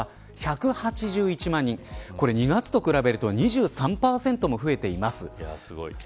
２月と比べると２３％増えています。